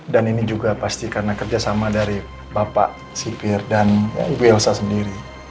dan ini juga pasti karena kerjasama dari bapak sipir dan ibu elsa sendiri